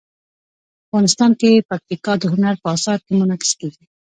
افغانستان کې پکتیکا د هنر په اثار کې منعکس کېږي.